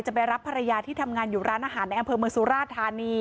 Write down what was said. ไปรับภรรยาที่ทำงานอยู่ร้านอาหารในอำเภอเมืองสุราธานี